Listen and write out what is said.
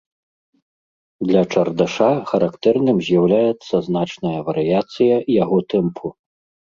Для чардаша характэрным з'яўляецца значная варыяцыя яго тэмпу.